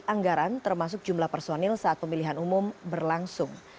anggaran termasuk jumlah personil saat pemilihan umum berlangsung